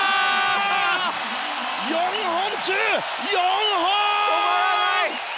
４本中４本！